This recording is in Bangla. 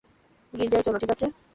গির্জায় চলো, ঠিক আছে?